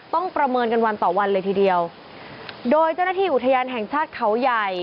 ประเมินกันวันต่อวันเลยทีเดียวโดยเจ้าหน้าที่อุทยานแห่งชาติเขาใหญ่